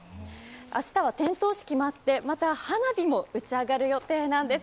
明日は点灯式もあって、また花火も打ち上がる予定なんです。